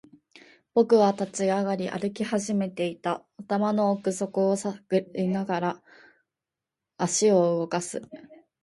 僕は立ち上がり、歩き始めていた。頭の奥底を探りながら、足を動かす。